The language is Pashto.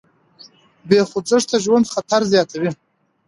بې خوځښته ژوند خطر زیاتوي.